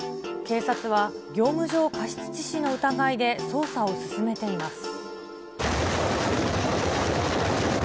警察は、業務上過失致死の疑いで捜査を進めています。